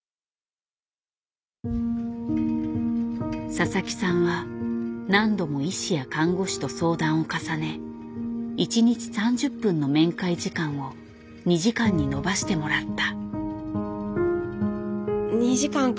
佐々木さんは何度も医師や看護師と相談を重ね１日３０分の面会時間を２時間に延ばしてもらった。